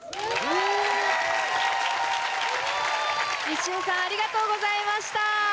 西尾さんありがとうございました。